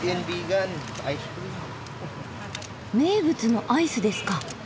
名物のアイスですか。